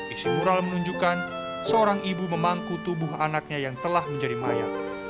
isi mural menunjukkan seorang ibu memangku tubuh anaknya yang telah menjadi mayat